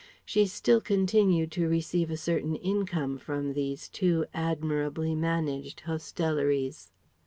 She still continued to receive a certain income from these two admirably managed hostelries.